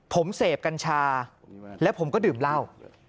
ผมเสพกัญชาแล้วผมก็ดื่มเหล้า